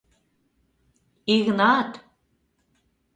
— Игнат!